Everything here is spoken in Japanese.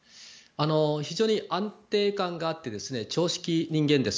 非常に安定感があって常識人間です。